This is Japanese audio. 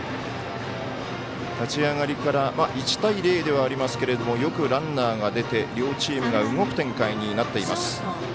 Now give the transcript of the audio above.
立ち上がりから１対０ではありますけれどもよくランナーが出て両チームが動く展開になっています。